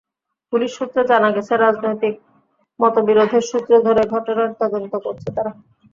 Police সূত্রে জানা গেছে, রাজনৈতিক মতবিরোধের সূত্র ধরে ঘটনার তদন্ত করছে তারা।